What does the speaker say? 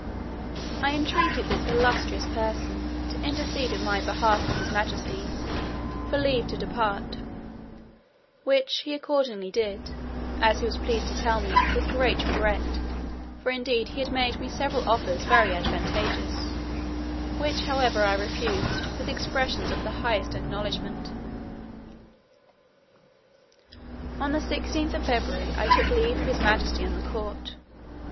I entreated this illustrious person, to intercede in my behalf with his majesty, for leave to depart; which he accordingly did, as he was pleased to tell me, with regret: for indeed he had made me several offers very advantageous, which, however, I refused, with expressions of the highest acknowledgment. On the 16th day of February I took leave of his majesty and the court.